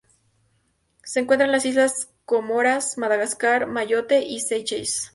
Se encuentra en las islas Comoras, Madagascar, Mayotte y Seychelles.